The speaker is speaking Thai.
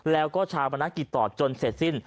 แล้วก็ชาวบรรณกิจต่อจนเสร็จสิ้น